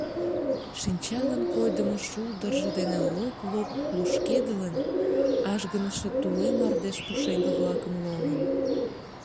Шинчалан койдымо шулдыржо дене лоп-лоп лупшкедылын, ажгыныше туле мардеж пушеҥге-влакым лоҥын.